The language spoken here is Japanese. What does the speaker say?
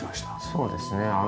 そうですね